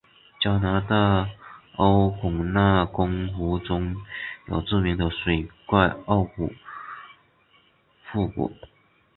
加拿大欧肯纳根湖中有著名的水怪奥古布古。